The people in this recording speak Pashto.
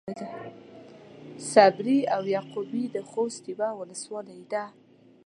صبري او يعقوبي د خوست يوۀ ولسوالي ده.